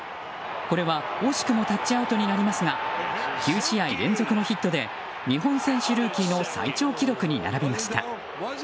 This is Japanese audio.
これは惜しくもタッチアウトになりますが９試合連続のヒットで日本選手ルーキーの最長記録に並びました。